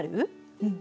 うん。